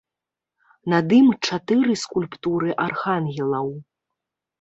Над ім чатыры скульптуры архангелаў.